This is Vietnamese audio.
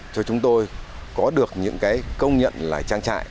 cho chúng tôi có được những cái công nhận là trang trại